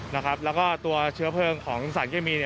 แล้วก็ตัวเชื้อเพลิงของสารเคมี